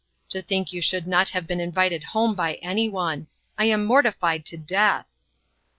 To think you should not have been invited home by any one! I am mortified to death."